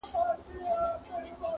• ما یې هم پخوا لیدلي دي خوبونه -